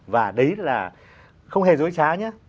và đấy là không hề dối trá nhé